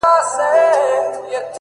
• وسله هغه ده چي په لاس کي وي ,